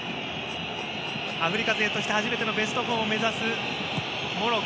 アフリカ勢として初のベスト４を目指すモロッコ。